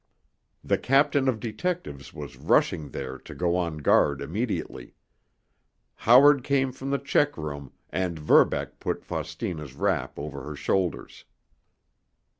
The captain of detectives was rushing there to go on guard immediately. Howard came from the check room, and Verbeck put Faustina's wrap over her shoulders.